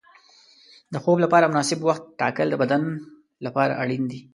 د خوب لپاره مناسب وخت ټاکل د بدن لپاره اړین دي.